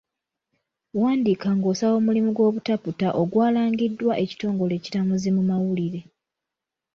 Wandiika ng'osaba omulimu gw'obutaputa ogwalangiddwa ekitongole ekiramuzi mu mawulire.